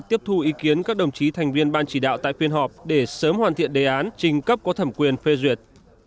tiếp thu ý kiến các đồng chí thành viên ban chỉ đạo tại phiên họp để sớm hoàn thiện đề án trình cấp có thẩm quyền phê duyệt